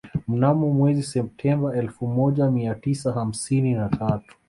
Mnamo mwezi Septemba elfu moja mia tisa hamsini na tatu